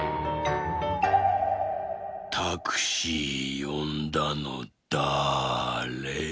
「タクシーよんだのだれ？